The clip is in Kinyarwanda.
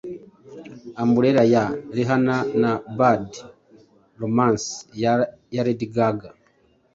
Umbrella ya Rihanna na Bad Romance ya Lady Gaga